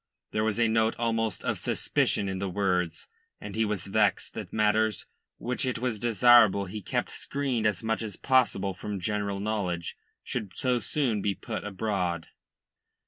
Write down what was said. There was a note almost of suspicion in the words, and he was vexed that matters which it was desirable be kept screened as much as possible from general knowledge should so soon be put abroad.